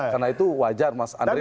karena itu wajar mas andri